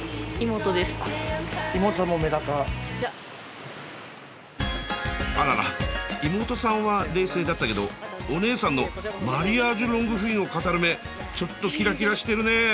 妹さんは冷静だったけどお姉さんのマリアージュロングフィンを語る目ちょっとキラキラしてるね。